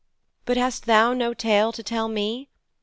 But hast thou no tale to tell me?